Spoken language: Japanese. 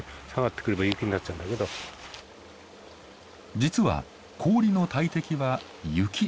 実は氷の大敵は雪。